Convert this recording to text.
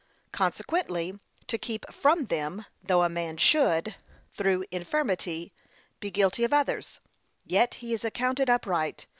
Consequently, to keep from them, though a man should, through infirmity, be guilty of others, yet he is accounted upright.